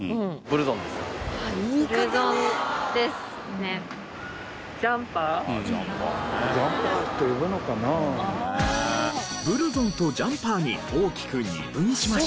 ブルゾンとジャンパーに大きく二分しましたが。